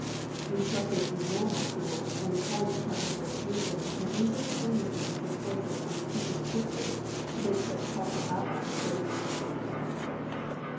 Instructors in normal schools and in college departments of education can easily train the students in courses on the teaching of history to make such topical outlines based on standard text books.